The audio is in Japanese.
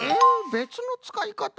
べつのつかいかた？